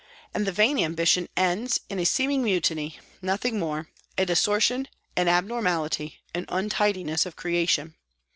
and the vain ambition ends in a seeming mutiny, nothing more a distor tion, an abnormality, an untidiness of creation.